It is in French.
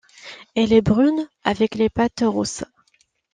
Elle est brune, avec les pattes rousses.